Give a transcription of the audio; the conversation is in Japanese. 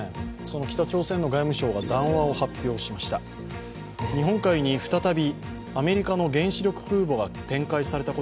その北朝鮮の外務省が談話を発表しました。